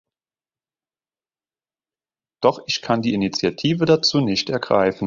Doch ich kann die Initiative dazu nicht ergreifen.